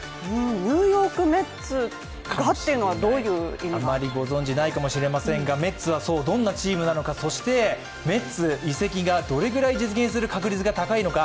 ニューヨーク・メッツがというのはどういう意味が？あまりご存じないかもしれませんがそしてメッツ移籍がどれぐらい実現確率が高いのか。